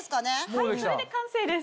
はいそれで完成です。